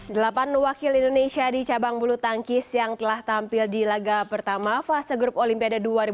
delapan wakil indonesia di cabang bulu tangkis yang telah tampil di laga pertama fase grup olimpiade dua ribu dua puluh